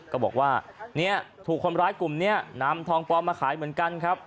ก็บอกว่าเนี่ยถูกคนร้ายกลุ่มนี้นำทองปลอมมาขายเหมือนกันครับ